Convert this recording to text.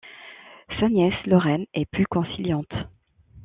Sa nièce Laurraine est plus conciliante.